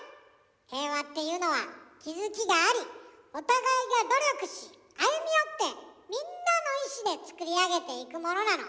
平和っていうのは気付きがありお互いが努力し歩み寄ってみんなの意思でつくり上げていくものなの。